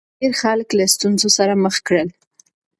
کرونا ډېر خلک له ستونزو سره مخ کړل.